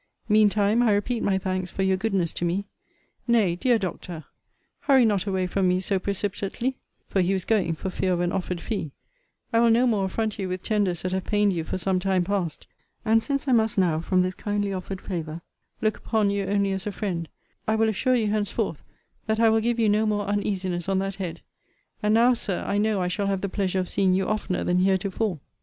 Mean time, I repeat my thanks for your goodness to me. Nay, dear Doctor, hurry not away from me so precipitately [for he was going, for fear of an offered fee]: I will no more affront you with tenders that have pained you for some time past: and since I must now, from this kindly offered favour, look upon you only as a friend, I will assure you henceforth that I will give you no more uneasiness on that head: and now, Sir, I know I shall have the pleasure of seeing you oftener than heretofore.